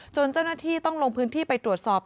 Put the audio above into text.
เจ้าหน้าที่ต้องลงพื้นที่ไปตรวจสอบ